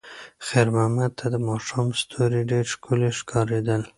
خیر محمد ته د ماښام ستوري ډېر ښکلي ښکارېدل.